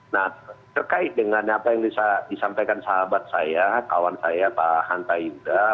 nah terkait dengan apa yang disampaikan sahabat saya kawan saya pak hanta yuda